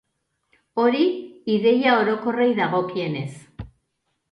Hori, ideia orokorrei dagokienez.